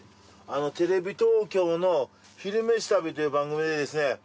テレビ東京の「昼めし旅」という番組でですね